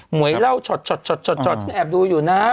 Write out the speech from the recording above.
หมวยเล่าชดแอบดูอยู่นะ